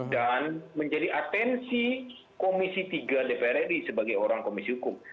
dan menjadi atensi komisi tiga dprd sebagai orang komisi hukum